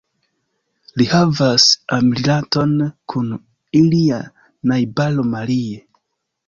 Li havas amrilaton kun ilia najbaro Marie.